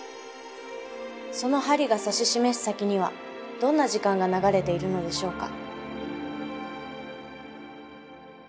その針が指し示す先にはどんな時間が流れているのでしょうか。